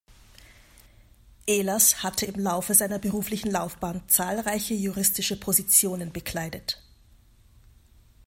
Ehlers hatte im Laufe seiner beruflichen Laufbahn zahlreiche juristische Positionen bekleidet.